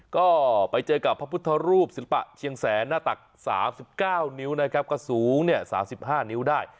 ก็ไปเจอกับพระพุทธรูปศิลปะเชียงแสนหน้าตัก๓๙นิ้วนะครับก็สูง๓๕นิ้วได้